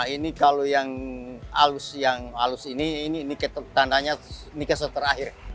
ini kalau yang halus ini ini tandanya ike seterakhir